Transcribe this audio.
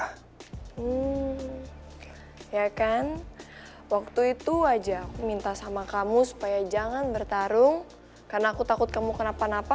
hmm ya kan waktu itu aja aku minta sama kamu supaya jangan bertarung karena aku takut kamu kenapa napa